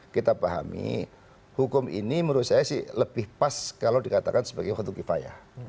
kita pahami hukum ini menurut saya sih lebih pas kalau dikatakan sebagai khutu kifaya